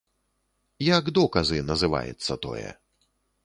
Як доказы называецца тое.